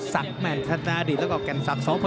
ครับครับครับครับครับครับครับครับ